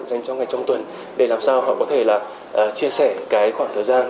dành cho ngày trong tuần để làm sao họ có thể là chia sẻ cái khoảng thời gian